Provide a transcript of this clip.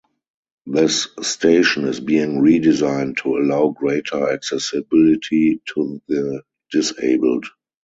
This station is being redesigned to allow greater accessibility to the disabled.